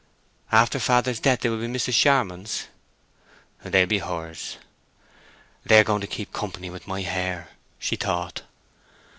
"After father's death they will be Mrs. Charmond's?" "They'll be hers." "They are going to keep company with my hair," she thought.